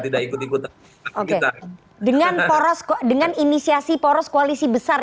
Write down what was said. dengan inisiasi poros koalisi besar